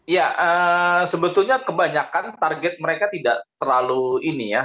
ya sebetulnya kebanyakan target mereka tidak terlalu ini ya